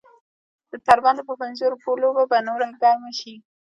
د تر بنده په پنځو روپو لوبه به نوره ګرمه شي.